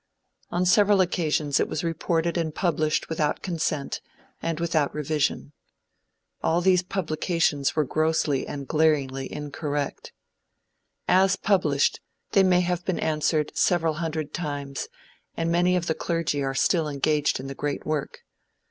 On several occasions it was reported and published without consent, and without revision. All these publications were grossly and glaringly incorrect. As published, they have been answered several hundred times, and many of the clergy are still engaged in the great work.